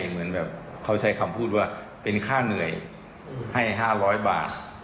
เหมือนแบบเขาใช้คำพูดว่าเป็นค่าเหนื่อยให้๕๐๐บาท